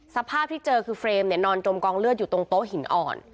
สภาพที่เจอคือเฟรมเนี่ยนอนจมกองเลือดอยู่ตรงโต๊ะหินอ่อน